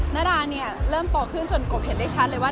นาดาเนี่ยเริ่มโตขึ้นจนกบเห็นได้ชัดเลยว่า